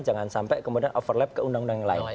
jangan sampai kemudian overlap ke undang undang yang lain